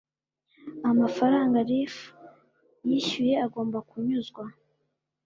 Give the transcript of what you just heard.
amafaranga reaf yishyuye agomba kunyuzwa